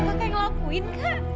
kak fadil yang ngelakuin kak